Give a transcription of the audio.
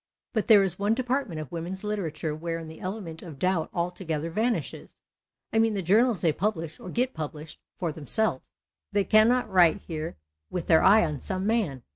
But there is one department of women's literature wherein the element of doubt altogether vanishes. I mean the journals they publisli, or get published, for themselves. They cannot write here with their eye on some man.